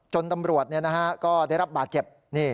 ตำรวจก็ได้รับบาดเจ็บ